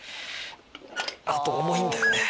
あと重いんだよね。